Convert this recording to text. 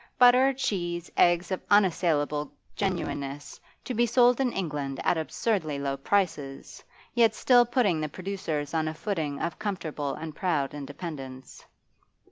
Butter, cheese, eggs of unassailable genuineness, to be sold in England at absurdly low prices, yet still putting the producers on a footing of comfort and proud independence.